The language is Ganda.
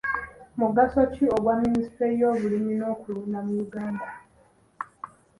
Mugaso ki ogwa Minisitule y'obulimirunda mu Uganda?